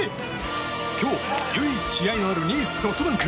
今日、唯一試合のある２位ソフトバンク。